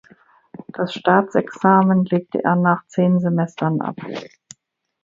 Das Staatsexamen legte er nach zehn Semestern ab.